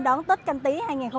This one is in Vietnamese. đón tết canh tí hai nghìn hai mươi